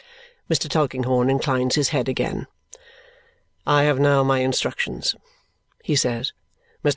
Mr. Tulkinghorn inclines his head again. "I have now my instructions," he says. "Mr.